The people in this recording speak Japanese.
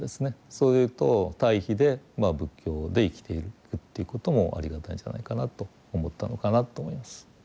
そういうと対比で仏教で生きていくっていうこともありがたいんじゃないかなと思ったのかなと思います。